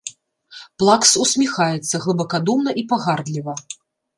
Плакс усміхаецца глыбакадумна і пагардліва.